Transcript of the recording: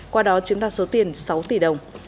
qua đó chiếm đoạt số tiền sáu tỷ đồng